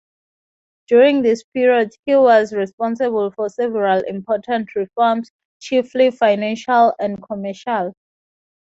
During this period he was responsible for several important reforms, chiefly financial and commercial.